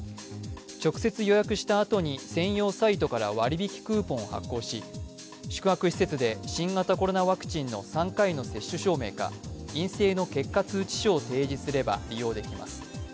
直接予約したあとに専用サイトから割引クーポンを発行し、宿泊施設で新型コロナワクチンの３回の接種証明か陰性の結果通知書を提示すれば利用できます。